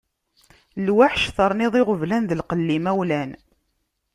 Lweḥc terniḍ iɣeblan d lqella imawlan.